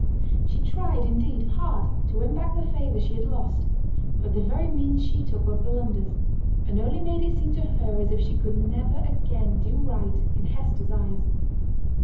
She tried, indeed, hard to win back the favour she had lost; but the very means she took were blunders, and only made it seem to her as if she could never again do right in Hester's eyes.